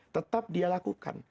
tetap dia lakukan